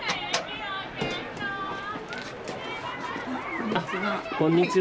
こんにちは。